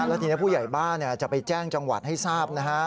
แล้วทีนี้ผู้ใหญ่บ้านจะไปแจ้งจังหวัดให้ทราบนะฮะ